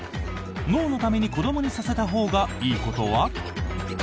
脳のために子どもにさせたほうがいいことは？